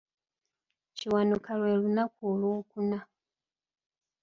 Kiwanuka lwe lunaku olwokuna.